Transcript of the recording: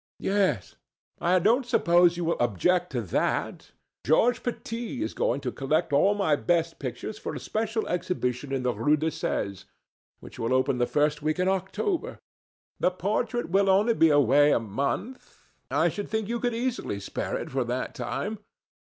"Yes; I don't suppose you will object to that. Georges Petit is going to collect all my best pictures for a special exhibition in the Rue de Sèze, which will open the first week in October. The portrait will only be away a month. I should think you could easily spare it for that time.